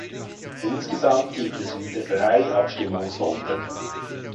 Insgesamt gibt es wieder drei Abstimmungsrunden.